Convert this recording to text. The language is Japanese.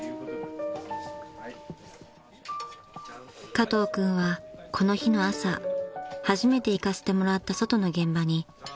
［加藤君はこの日の朝初めて行かせてもらった外の現場に一人大遅刻］